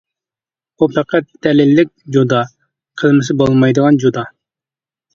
بۇ پەقەت دەلىللىك جودا، قىلمىسا بولمايدىغان جودا.